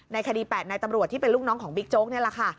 คดี๘นายตำรวจที่เป็นลูกน้องของบิ๊กโจ๊กนี่แหละค่ะ